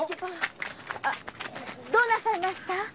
どうなさいました？